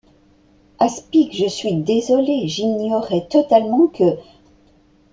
Aspic, je suis désolée, j’ignorais totalement que…